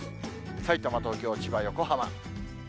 さいたま、東京、千葉、横浜。